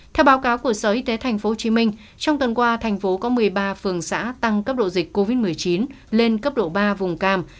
theo báo cáo của sở y tế tp hcm trong tuần qua thành phố có một mươi ba phường xã tăng cấp độ dịch covid một mươi chín lên cấp độ ba vùng cam